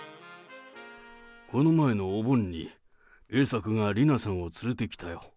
この前のお盆に、栄作が理名さんを連れてきたよ。